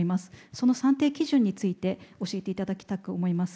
その算定基準について教えていただきたく思います。